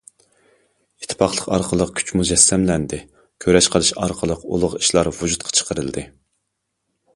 ئىتتىپاقلىق ئارقىلىق كۈچ مۇجەسسەملەندى، كۈرەش قىلىش ئارقىلىق ئۇلۇغ ئىشلار ۋۇجۇدقا چىقىرىلدى.